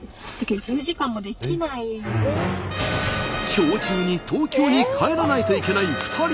今日中に東京に帰らないといけない２人。